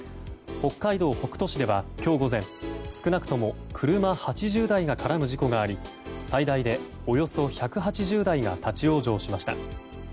北海道北斗市では今日午前少なくとも車８０台が絡む事故があり、最大でおよそ１８０台が立ち往生しました。